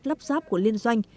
lắp ráp của liên doanh